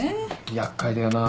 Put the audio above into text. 厄介だよな。